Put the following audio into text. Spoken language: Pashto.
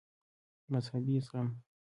مذهبي زغم